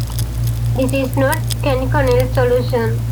This is not a canonical solution.